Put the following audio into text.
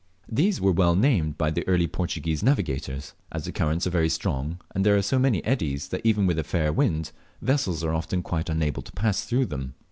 These were well named by the early Portuguese navigators, as the currents are very strong, and there are so many eddies, that even with a fair wind vessels are often quite unable to pass through them.